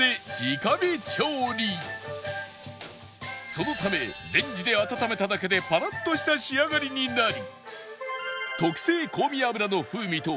そのためレンジで温めただけでパラッとした仕上がりになり